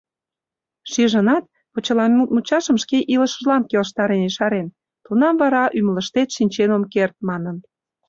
Шижынат, почеламут мучашым шке илышыжлан келыштарен ешарен: «Тунам вара ӱмылыштет шинчен ом керт», — манын.